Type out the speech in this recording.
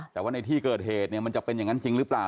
แต่ว่าในที่เกิดเหตุเนี่ยมันจะเป็นอย่างนั้นจริงหรือเปล่า